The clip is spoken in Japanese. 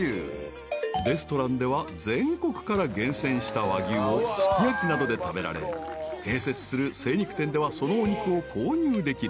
［レストランでは全国から厳選した和牛をすき焼きなどで食べられ併設する精肉店ではそのお肉を購入できる］